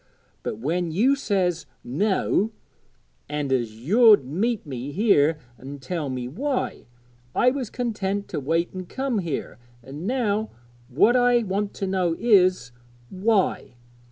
But when you says, "no," and as you'd meet me here an' tell me why, I was content to wait an' come here; an' now what I want to know is why?